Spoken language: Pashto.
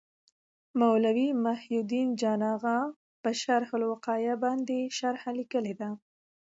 مولوي محي الدین جان اغا په شرح الوقایه باندي شرحه لیکلي ده.